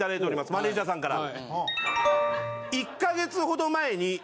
マネジャーさんから。